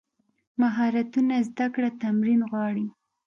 مهارتونه زده کړه تمرین غواړي.